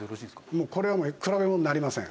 もうこれは比べもんになりません。